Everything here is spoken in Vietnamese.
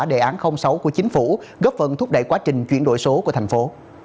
đề án sáu của chính phủ góp phần thúc đẩy quá trình chuyển đổi số của thành phố